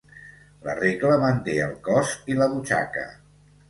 La regla manté el cos i la butxaca.